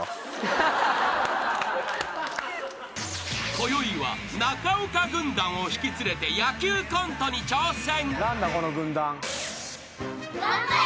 ［こよいは中岡軍団を引き連れて野球コントに挑戦］